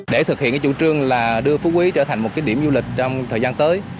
để thực hiện cái chủ trương là đưa phú quý trở thành một cái điểm du lịch trong thời gian tới